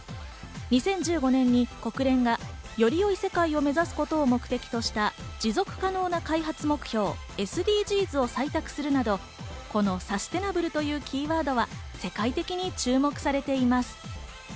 ２０１５年に国連が、よりよい世界を目指すことを目的とした持続可能な開発目標・ＳＤＧｓを採択するなど、このサステナブルというキーワードは世界的に注目されています。